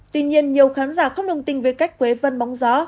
tuy nhiên nhiều khán giả không đồng tình với cách quế văn bóng gió